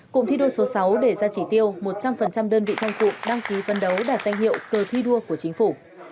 cụm thi đua số sáu để ra chỉ tiêu một trăm linh đơn vị trong cụm đăng ký phân đấu đạt danh hiệu cơ thi đua của chính phủ